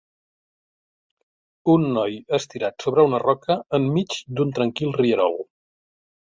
Un noi estirat sobre una roca en mig d'un tranquil rierol.